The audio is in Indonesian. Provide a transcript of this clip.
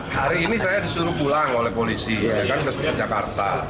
hari ini saya disuruh pulang oleh polisi jakarta